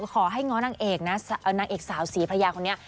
ขอให้ง้อนางเอกนะนางเอกสาวศรีภรรยาคนนี้